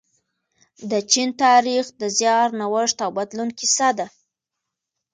د چین تاریخ د زیار، نوښت او بدلون کیسه ده.